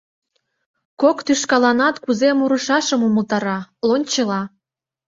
Кок тӱшкаланат кузе мурышашым умылтара, лончыла.